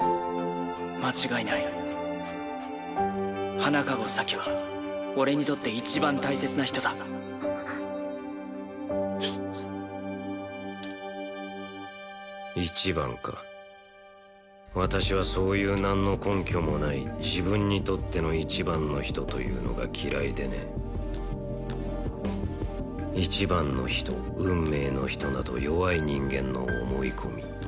間違いない花籠咲は俺にとって一番大切な人だ一番か私はそういう何の根拠もない自分にとっての一番の人というのが嫌いでね一番の人運命の人など弱い人間の思い込み